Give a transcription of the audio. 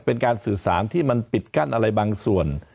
เป็นการสื่อสารที่มันปิดกั้นอะไรบางส่วน